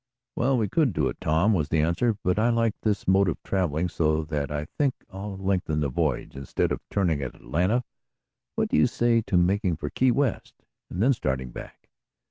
"Well, we could do it, Tom," was the answer, "but I like this mode of traveling so that I think I'll lengthen the voyage. Instead of turning at Atlanta, what do you say to making for Key West, and then starting back?